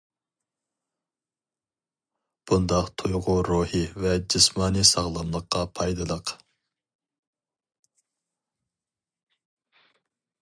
بۇنداق تۇيغۇ روھىي ۋە جىسمانىي ساغلاملىققا پايدىلىق.